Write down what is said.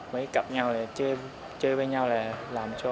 mấy cặp nhau là chơi với nhau là làm cho